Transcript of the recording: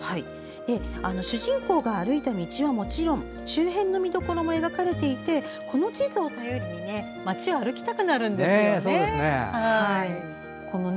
主人公が歩いた道はもちろん周辺の見どころも描かれていてこの地図を頼りにね街を歩きたくなるんですよね。